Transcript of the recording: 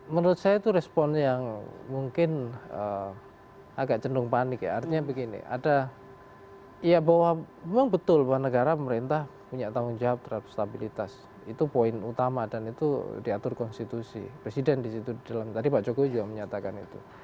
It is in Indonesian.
menurut saya itu respon yang mungkin agak cenderung panik ya artinya begini ada ya bahwa memang betul bahwa negara pemerintah punya tanggung jawab terhadap stabilitas itu poin utama dan itu diatur konstitusi presiden disitu dalam tadi pak jokowi juga menyatakan itu